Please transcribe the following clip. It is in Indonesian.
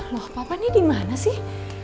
wah papa ini di mana sih